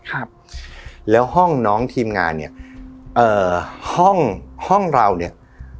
ครับแล้วห้องน้องทีมงานเนี้ยเอ่อห้องห้องเราเนี้ย